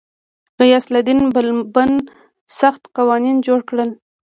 غیاث الدین بلبن سخت قوانین جوړ کړل.